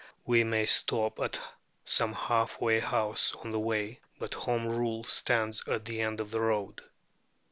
We may stop at some half way house on the way, but Home Rule stands at the end of the road.